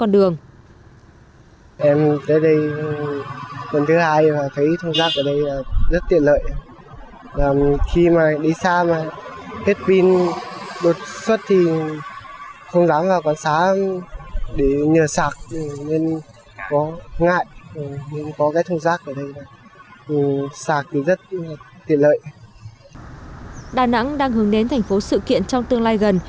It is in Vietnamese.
đà nẵng đang hướng đến thành phố sự kiện trong tương lai gần